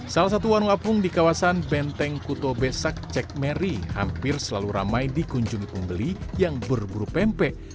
salah satu warung apung di kawasan benteng kuto besak cekmeri hampir selalu ramai dikunjungi pembeli yang berburu pempek